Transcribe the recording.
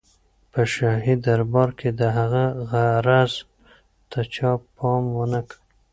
په شاهي دربار کې د هغه عرض ته چا پام ونه کړ.